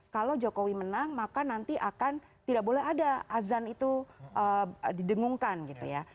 kalau jokowi menang maka nanti akan tidak boleh ada azan itu didengungkan gitu ya